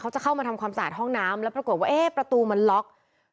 จะเข้ามาทำความสะอาดห้องน้ำแล้วปรากฏว่าเอ๊ะประตูมันล็อก